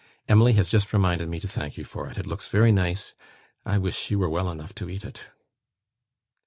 Emily has just reminded me to thank you for it: it looks very nice. I wish she were well enough to eat it."